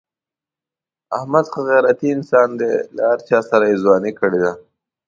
احمد ښه غیرتی انسان دی. له هر چاسره یې ځواني کړې ده.